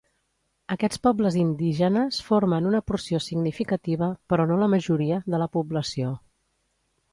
Aquests pobles indígenes formen una porció significativa, però no la majoria, de la població.